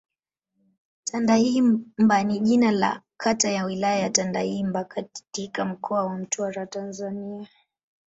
Tandahimba ni jina la kata ya Wilaya ya Tandahimba katika Mkoa wa Mtwara, Tanzania.